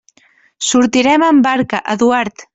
Sortirem amb barca, Eduard.